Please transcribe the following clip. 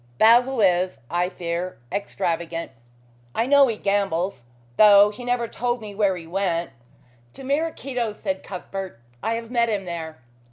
Basil is, I fear, extravagant. I know he gambles, though he never told me where he went " "To Maraquito's," said Cuthbert. "I have met him there."